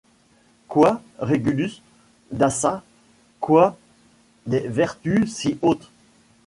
Quoi ! Régulus ! d'Assas ! quoi ! des vertus si hautes